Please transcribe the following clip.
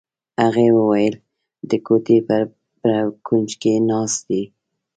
هغې وویل: د کوټې په بر کونج کې ناست یې.